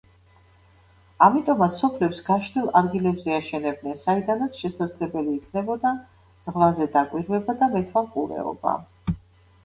ამიტომაც სოფლებს გაშლილ ადგილებზე აშენებდნენ, საიდანაც შესაძლებელი იქნებოდა ზღვაზე დაკვირვება და მეთვალყურეობა.